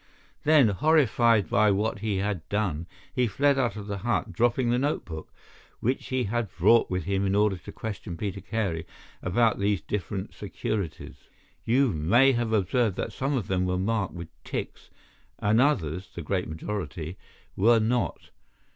Then, horrified by what he had done, he fled out of the hut, dropping the notebook which he had brought with him in order to question Peter Carey about these different securities. You may have observed that some of them were marked with ticks, and the others—the great majority—were not.